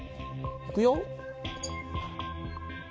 いくよ。